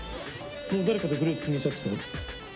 もう誰かとグループ決めちゃってたの？